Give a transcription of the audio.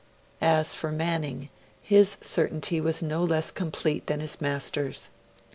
As for Manning, his certainty was no less complete than his master's.